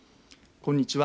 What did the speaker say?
こんにちは。